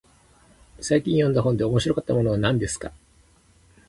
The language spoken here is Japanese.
最近読んだ本で面白かったものは何ですか。